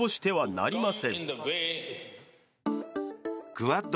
クアッド